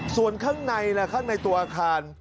ส่วนข้างในล่ะข้างในตัวอาคาร